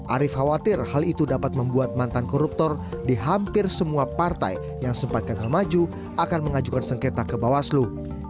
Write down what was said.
arief khawatir hal itu dapat membuat mantan koruptor di hampir semua partai yang sempat gagal maju akan mengajukan sengketa ke bawaslu